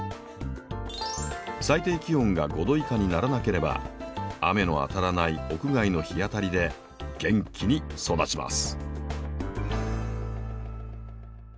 最低気温が５℃以下にならなければ雨の当たらない屋外の日当たりで元気に育ちます。